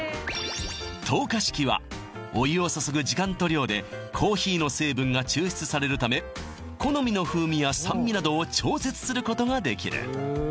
透過式はお湯を注ぐ時間と量でコーヒーの成分が抽出されるため好みの風味や酸味などを調節することができる